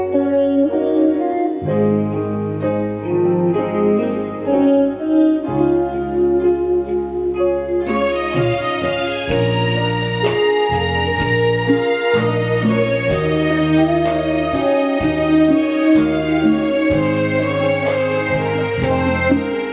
โปรดติดตามตอนต่อไป